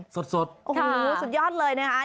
สดค่ะสุดยอดเลยนะฮะ